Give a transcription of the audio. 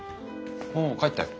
もう帰ったよ。